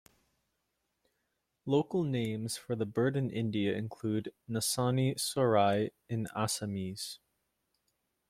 Local names for the bird in India include - "Nasoni sorai" in Assamese.